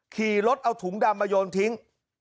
ขี่รถเอาถุงดำมาโยนทิ้ง